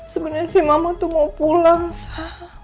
sebenarnya sih mama tuh mau pulang sa